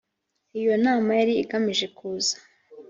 iyo nama yari igamije kuza